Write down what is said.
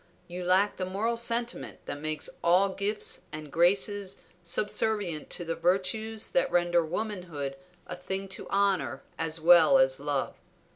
You lack the moral sentiment that makes all gifts and graces subservient to the virtues that render womanhood a thing to honor as well as love.